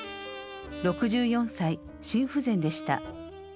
６４歳心不全でした。